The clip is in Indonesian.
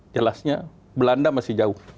jelasnya belanda masih jauh